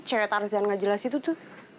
cewek tarzan gak jelas itu tuh